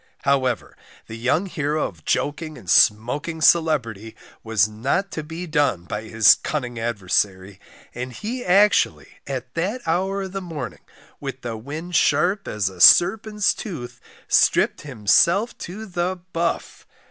However, the young hero of joking and smoking celebrity, was not to be done by his cunning adversary, and he actually, at that hour of the morning, with the wind sharp as a "serpent's tooth," stripped himself to the buff.